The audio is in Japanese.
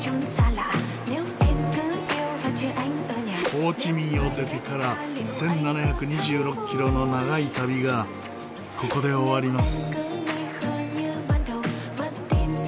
ホーチミンを出てから１７２６キロの長い旅がここで終わります。